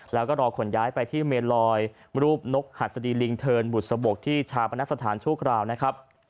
แล้วก็รอขนย้ายไปที่เมนลอยรูปนกหัสดีลิงเทินบุษบกที่ชาปนสถานชั่วคราวนะครับ